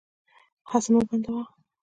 هڅه مه بندوه.